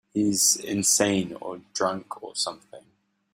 He's insane or drunk or something.